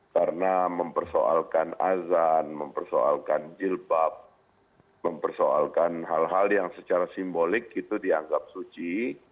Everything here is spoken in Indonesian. karena mempersoalkan azan mempersoalkan jilbab mempersoalkan hal hal yang secara simbolik itu dianggap suci